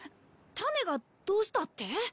種がどうしたって？